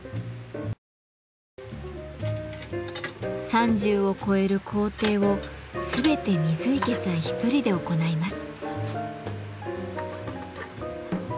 ３０を超える工程を全て水池さん１人で行います。